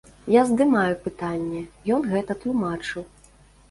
Я здымаю пытанне, ён гэта тлумачыў.